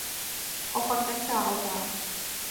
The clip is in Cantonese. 我訓緊覺㗎